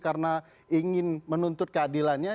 karena ingin menuntut keadilannya